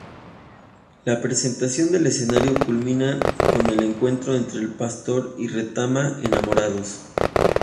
La presentación del escenario culmina con el encuentro entre el Pastor y Retama, enamorados.